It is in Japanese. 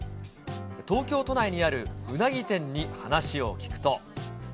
東京都内にあるうなぎ店に話を聞くと。